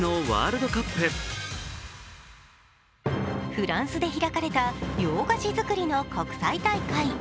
フランスで開かれた洋菓子作りの国際大会。